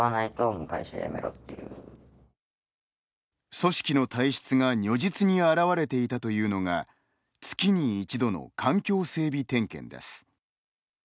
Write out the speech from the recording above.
組織の体質が如実に表れていたというのが月に１度の環境整備点検です。